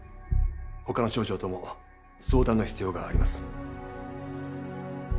他の省庁とも相談の必要があります。